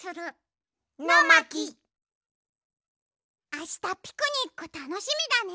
あしたピクニックたのしみだね！